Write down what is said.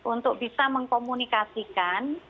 untuk bisa mengkomunikasikan